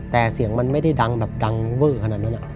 แต่เสียงมันไม่ได้ดังแบบดังเวอร์ขนาดนั้น